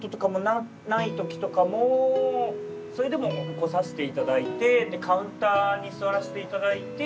それでも来させていただいてでカウンターに座らしていただいて。